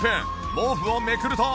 毛布をめくると。